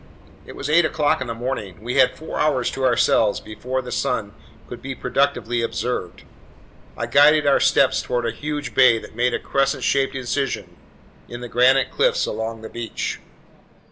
It was eight o'clock in the morning. We had four hours to ourselves before the sun could be productively observed. I guided our steps toward a huge bay that made a crescent shaped incision in the granite cliffs along the beach.